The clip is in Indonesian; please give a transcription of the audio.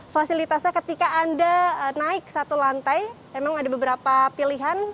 fasilitasnya ketika anda naik satu lantai memang ada beberapa pilihan